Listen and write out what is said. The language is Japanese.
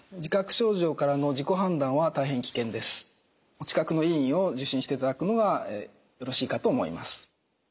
お近くの医院を受診していただくのがよろしいかと思います。